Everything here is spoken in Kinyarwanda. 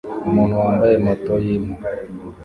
Umuntu wambaye moto yimpu